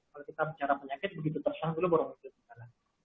kalau kita bicara penyakit begitu terserang itu baru bisa terserang